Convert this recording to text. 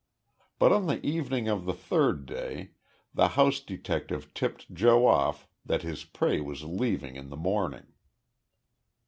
But on the evening of the third day the house detective tipped Joe off that his prey was leaving in the morning.